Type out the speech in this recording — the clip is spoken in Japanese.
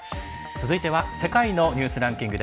続いては「世界のニュースランキング」。